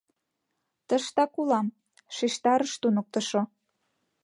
— Тыштак улам! — шижтарыш туныктышо.